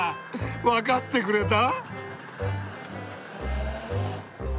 分かってくれた！？